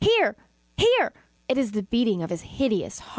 here, here! It is the beating of his hideous heart!"